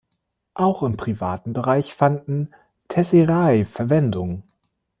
Auch im privaten Bereich fanden "tesserae" Verwendung.